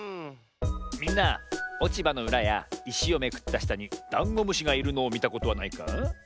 みんなおちばのうらやいしをめくったしたにダンゴムシがいるのをみたことはないか？